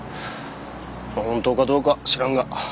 本当かどうか知らんが。